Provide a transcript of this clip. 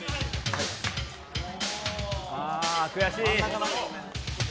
あ、悔しい。